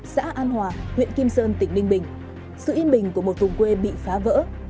xã an hòa huyện kim sơn tỉnh ninh bình sự yên bình của một vùng quê bị phá vỡ